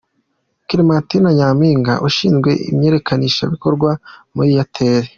Clementine Nyampinga ushinzwe imenyekanishabikorwa muri Airtel.